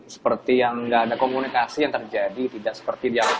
seperti yang tidak ada komunikasi yang terjadi tidak seperti di al quali